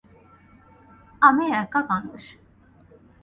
আমি একা মানুষ।